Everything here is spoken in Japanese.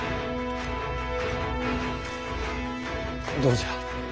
どうじゃ？